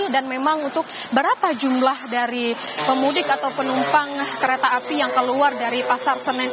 dan memang untuk berapa jumlah dari pemudik atau penumpang kereta api yang keluar dari pasar senen